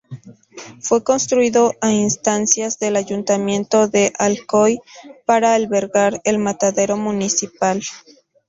Fue construido a instancias del Ayuntamiento de Alcoy para albergar el matadero municipal.